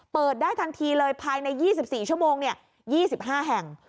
ได้ทันทีเลยภายใน๒๔ชั่วโมง๒๕แห่ง